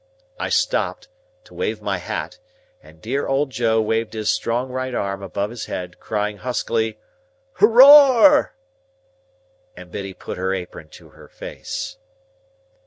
I stopped then, to wave my hat, and dear old Joe waved his strong right arm above his head, crying huskily "Hooroar!" and Biddy put her apron to her face.